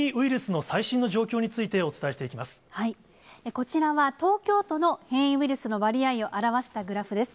こちらは、東京都の変異ウイルスの割合を表したグラフです。